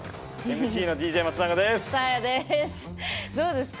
ＭＣのＤＪ松永です。